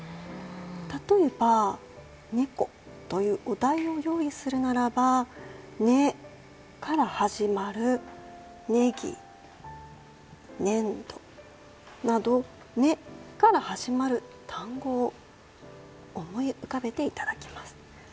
例えば、「ねこ」というお題を用意するならば「ね」から始まるねぎ、ねんどなど「ね」から始まる単語を思い浮かべていただきます。